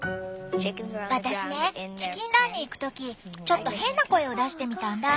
私ねチキンランに行く時ちょっと変な声を出してみたんだ。